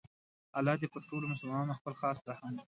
الله ﷻ دې پر ټولو مسلماناتو خپل خاص رحم وکړي